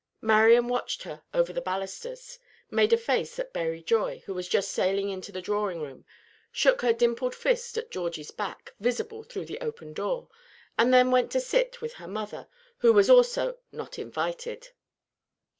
Marian watched her over the balusters; made a face at Berry Joy, who was just sailing into the drawing room; shook her dimpled fist at Georgie's back, visible through the open door; and then went to sit with her mother, who also was "not invited."